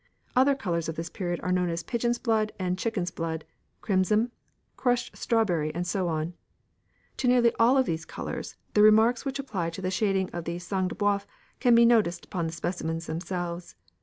Other colours of this period are known as pigeon's blood and chicken's blood, crimson, crushed strawberry, and so on. To nearly all of these colours the remarks which apply to the shading of the "sang de b┼ōuf" can be noticed upon the specimens themselves.